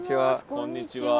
こんにちは。